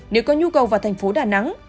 nếu có nhu cầu vào tp đà nẵng